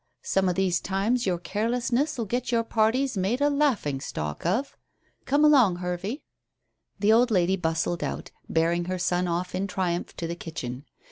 Some o' these times your carelessness will get your parties made a laughing stock of. Come along, Hervey." The old lady bustled out, bearing her son off in triumph to the kitchen.